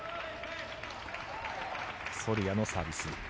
ソルヤのサービス。